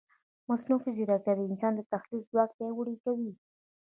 مصنوعي ځیرکتیا د انسان د تحلیل ځواک پیاوړی کوي.